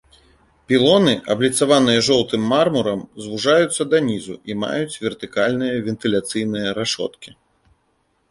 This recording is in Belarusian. Пілоны абліцаваныя жоўтым мармурам, звужаюцца да нізу і маюць вертыкальныя вентыляцыйныя рашоткі.